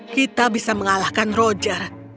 kita bisa mengalahkan roger dan kuasai itu